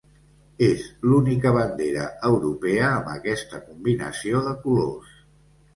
És l'única bandera europea amb aquesta combinació de colors.